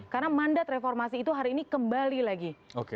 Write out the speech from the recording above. karena mandat reformasi itu hari ini kembali lagi